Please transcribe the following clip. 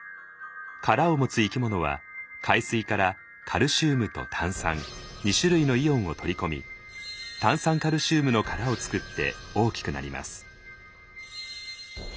殻を持つ生き物は海水からカルシウムと炭酸２種類のイオンを取り込み炭酸カルシウムの殻を作って大きくなります。